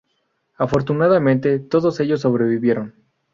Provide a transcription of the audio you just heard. Afortunadamente, todos ellos sobrevivieron.